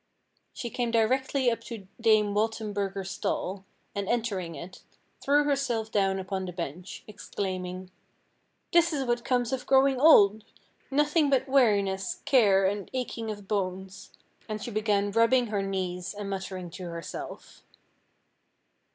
She came directly up to dame Waltenburger's stall, and entering it, threw herself down upon the bench, exclaiming: "This is what comes of growing old, nothing but weariness, care, and aching of bones," and she began rubbing her knees and muttering to herself.